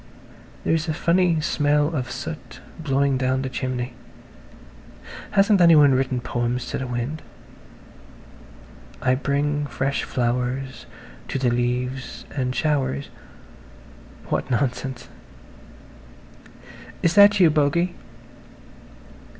There's a funny smell of [Page 142] soot blowing down the chimney. Hasn't anyone written poems to the wind? ... "I bring fresh flowers to the leaves and showers." ... What nonsense. "Is that you, Bogey?"